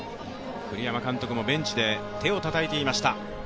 栗山監督もベンチで手をたたいていました。